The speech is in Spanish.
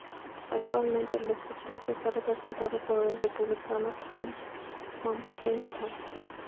Actualmente el distrito está representado por el Republicano Tom McClintock.